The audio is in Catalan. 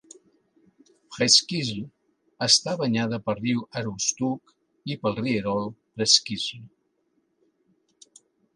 Presque Isle està banyada pel riu Aroostook i pel rierol Presque Isle.